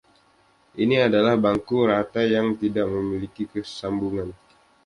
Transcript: Ini adalah bangku rata yang tidak memiliki sambungan.